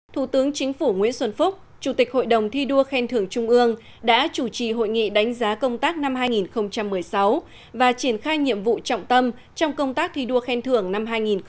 thủ tướng chính phủ nguyễn xuân phúc chủ tịch hội đồng thi đua khen thưởng trung ương đã chủ trì hội nghị đánh giá công tác năm hai nghìn một mươi sáu và triển khai nhiệm vụ trọng tâm trong công tác thi đua khen thưởng năm hai nghìn một mươi chín